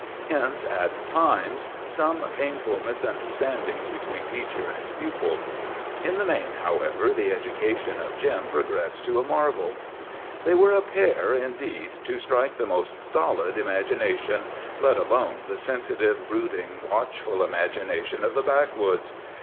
Hence, at times, some painful misunderstandings between teacher and pupil. In the main, however, the education of Jim progressed to a marvel. They were a pair, indeed, to strike the most stolid imagination, let alone the sensitive, brooding, watchful imagination of the backwoods.